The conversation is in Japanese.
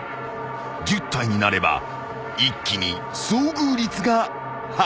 ［１０体になれば一気に遭遇率が跳ね上がる］